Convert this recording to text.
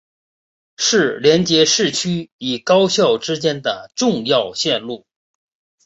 是连接市区与高校之间的重要线路。